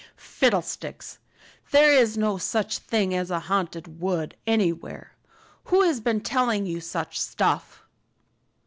"Fiddlesticks! There is no such thing as a haunted wood anywhere. Who has been telling you such stuff?"